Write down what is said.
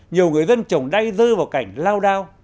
nhiều người dân trồng đay rơi vào cảnh lao đao